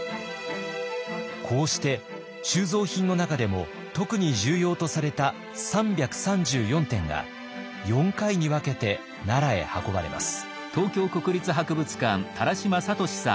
こうして収蔵品の中でも特に重要とされた３３４点が４回に分けて奈良へ運ばれます。